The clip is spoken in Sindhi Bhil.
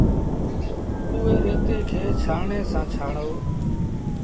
اُئي ريتيٚ کي ڇآڻڻي سآݩ ڇآڻو۔